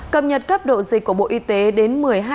cập nhật cấp độ dịch của bộ y tế đến một mươi hai h ba mươi